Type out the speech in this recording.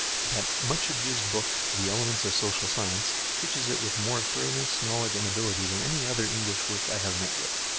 That much abused book the "Elements of Social Science" preaches it with more thoroughness, knowledge and ability than any other English work I have met with.